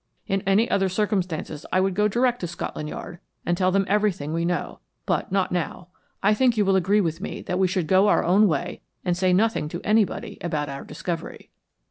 In any other circumstances I would go direct to Scotland Yard and tell them everything we know. But not now. I think you will agree with me that we should go our own way and say nothing to anybody about our discovery."